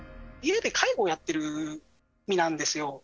家で介護をやってる身なんですよ。